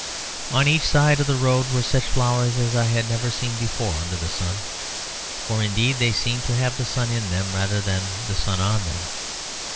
On each side of the road were such flowers as I had never seen before under the sun; for indeed they seemed to have the sun in them rather than the sun on them.